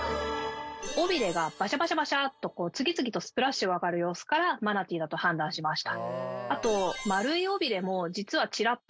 尾びれがバシャバシャバシャと次々とスプラッシュが上がる様子からマナティーだと判断しました